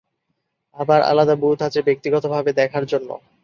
আবার আলাদা বুথ আছে ব্যক্তিগতভাবে দেখার জন্য।